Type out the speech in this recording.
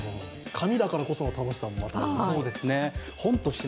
紙だからこその楽しさもまたあるし。